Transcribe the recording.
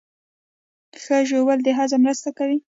ښه ژوول د هضم مرسته کوي